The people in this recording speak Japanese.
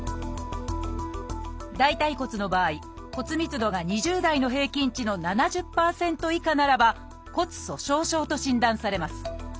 大腿骨の場合骨密度が２０代の平均値の７０％以下ならば骨粗しょう症と診断されます。